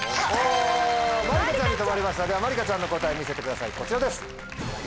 まりかちゃんに止まりましたではまりかちゃんの答え見せてくださいこちらです！